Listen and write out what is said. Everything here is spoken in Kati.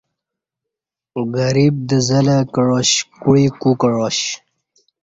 گریب دزہ لہ کعاش کوعی کو کعاش